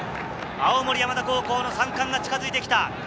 青森山田高校の３冠が近づいてきた。